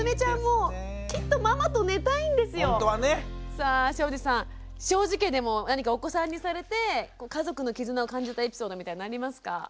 さあ庄司さん庄司家でも何かお子さんにされて家族の絆を感じたエピソードみたいのありますか？